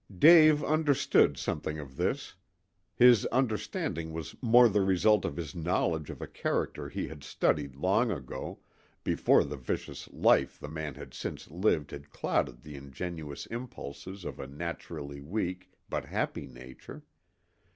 Dave understood something of this. His understanding was more the result of his knowledge of a character he had studied long ago, before the vicious life the man had since lived had clouded the ingenuous impulses of a naturally weak but happy nature.